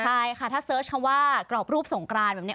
ใช่ค่ะถ้าเสิร์ชคำว่ากรอบรูปสงกรานแบบนี้